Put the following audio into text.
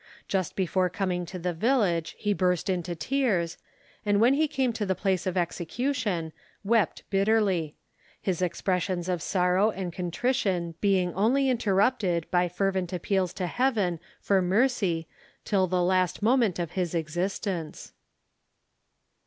Just before coming to the village, he burst into tears, and when he came to the place of execution, wept bitterly; his expressions of sorrow and contrition being only interrupted by fervent appeals to Heaven for mercy till the last moment of his existence.